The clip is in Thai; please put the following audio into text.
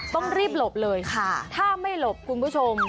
ต้องรีบหลบเลยค่ะถ้าไม่หลบคุณผู้ชม